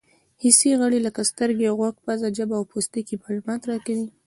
حسي غړي لکه سترګې، غوږ، پزه، ژبه او پوستکی معلومات راکوي.